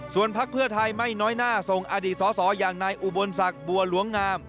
ส่วนพักเพื่อไทยไม่น้อยหน้าส่งอดีตสอสออย่างนายอุบลศักดิ์บัวหลวงงาม